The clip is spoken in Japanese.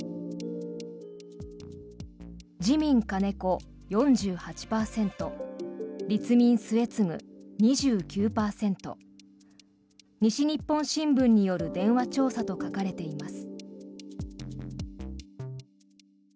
自民、金子４８％立民、末次２９％西日本新聞による電話調査と書かれています。